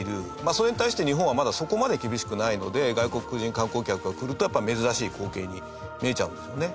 それに対して、日本はまだ、そこまで厳しくないので外国人観光客が来るとやっぱり、珍しい光景に見えちゃうんでしょうね。